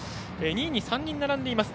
２位に３人並んでいます。